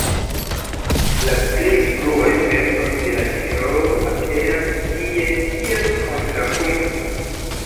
La pli fruaj verkoj de la heroo aperas tie kiel kontrapunkto.